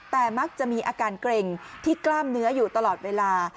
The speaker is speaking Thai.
แต่มักจะมีอาการเกร็งที่กล้ามเนื้ออยู่ตลอดเวลา